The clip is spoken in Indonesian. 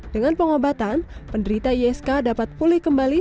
dengan pengobatan penderita isk dapat pulih kembali